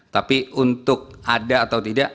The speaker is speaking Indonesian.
tapi untuk ada atau tidak